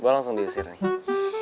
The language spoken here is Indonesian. langsung diusir nih